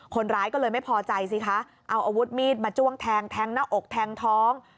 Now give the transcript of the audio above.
คนร้ายก็เลยไม่พอใจสิคะเอาอาวุธมีดมาจ้วงแทงแทงหน้าอกแทงท้อง